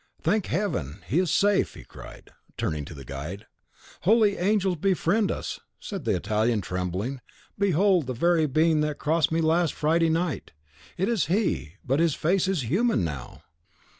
"Thank Heaven, he is safe!" he cried, turning to the guide. "Holy angels befriend us!" said the Italian, trembling, "behold the very being that crossed me last Friday night. It is he, but his face is human now!"